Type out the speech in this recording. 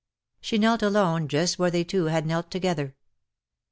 She knelt alone just where they two had knelt together.